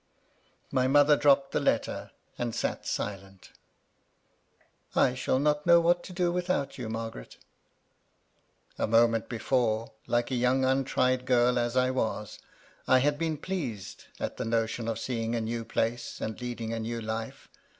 My mother dropped the letter, and sat silent. "I shall not know what to do without you, Mar garet." A moment before, like a young untried girl as I was, I had been pleased at the notion of seeing a new place, and leading a new life.